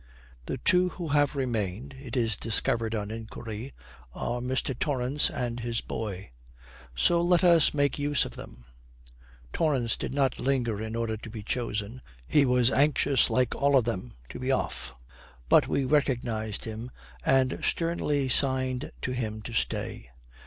The two who have remained (it is discovered on inquiry) are Mr. Torrance and his boy; so let us make use of them. Torrance did not linger in order to be chosen, he was anxious, like all of them, to be off; but we recognised him, and sternly signed to him to stay.